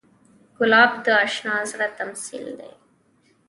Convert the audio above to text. ګلاب د اشنا زړه تمثیل دی.